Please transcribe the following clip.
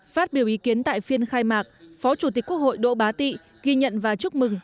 phát biểu ý kiến tại phiên khai mạc phó chủ tịch quốc hội đỗ bá tị ghi nhận và chúc mừng